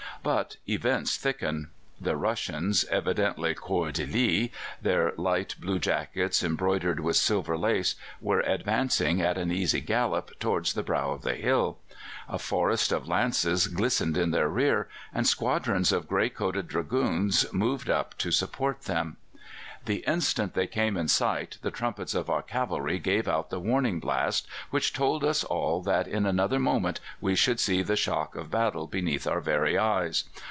"But events thicken. The Russians evidently corps d'élite their light blue jackets embroidered with silver lace, were advancing at an easy gallop towards the brow of the hill. A forest of lances glistened in their rear, and squadrons of grey coated Dragoons moved up to support them. "The instant they came in sight the trumpets of our cavalry gave out the warning blast which told us all that in another moment we should see the shock of battle beneath our very eyes.